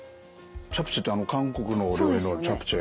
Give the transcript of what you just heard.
チャプチェってあの韓国のお料理のチャプチェ。